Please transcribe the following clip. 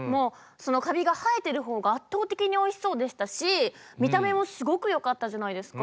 カビが生えてるほうが圧倒的においしそうでしたし見た目もすごくよかったじゃないですか。